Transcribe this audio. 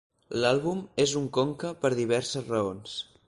L'àlbum és un conca per diverses raons.